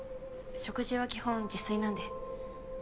食事は基本自炊なんで。